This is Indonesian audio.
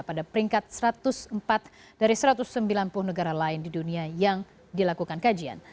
pada peringkat satu ratus empat dari satu ratus sembilan puluh negara lain di dunia yang dilakukan kajian